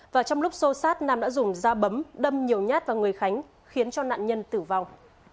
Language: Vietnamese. và trong lúc xô sát nam đã dùng dao bấm đâm nhiều nhát vào người khánh khiến cho nạn nhân tử vong